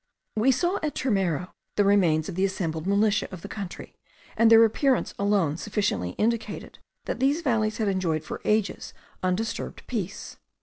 We saw at Turmero the remains of the assembled militia of the country, and their appearance alone sufficiently indicated that these valleys had enjoyed for ages undisturbed peace.